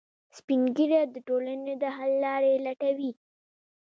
سپین ږیری د ټولنې د حل لارې لټوي